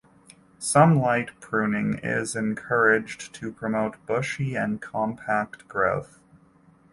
Some light pruning is encouraged to promote bushy and compact growth.